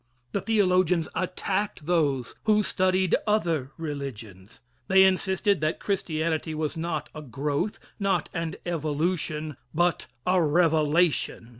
The theologians attacked those who studied other religions. They insisted that Christianity was not a growth not an evolution but a revelation.